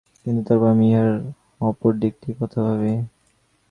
কিন্তু তারপর আমি ইহার অপর দিকটির কথা ভাবি।